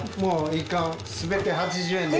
１貫全て８０円で。